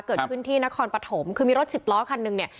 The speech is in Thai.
เกิดขึ้นที่นครปฐมคือมีรถสิบล้อคันหนึ่งเนี่ย